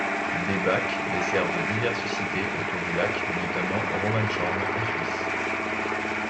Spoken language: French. Des bacs desservent diverses cités autour du lac notamment Romanshorn en Suisse.